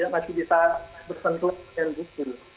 masih bisa bersentuhan dengan hukum